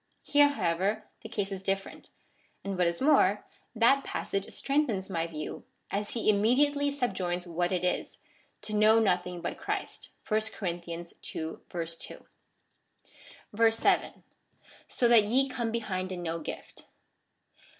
Here, however, the case is different, and, what is more, that passage strengthens my view, as he immediately subjoins what it is^ — to know nothing hut Christ. (Chap. ii. 2.) 7. So that ye come behind in no gift.